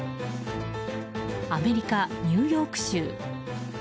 アメリカ・ニューヨーク州。